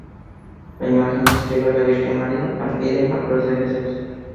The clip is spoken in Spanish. La imagen describe a la Virgen María al pie de la cruz de Jesús.